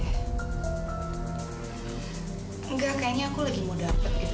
enggak kayaknya aku lagi mau dapet gitu